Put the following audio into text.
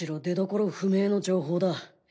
出どころ不明の情報だ。